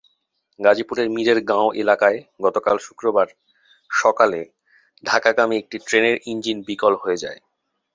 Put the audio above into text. গাজীপুরের মীরেরগাঁও এলাকায় গতকাল শুক্রবার সকালে ঢাকাগামী একটি ট্রেনের ইঞ্জিন বিকল হয়ে যায়।